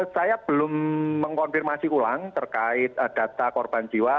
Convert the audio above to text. saya belum mengkonfirmasi ulang terkait data korban jiwa